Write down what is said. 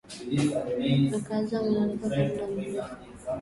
Wakazi wamelalamika kwa muda mrefu